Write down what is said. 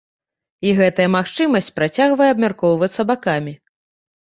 І гэтая магчымасць працягвае абмяркоўвацца бакамі.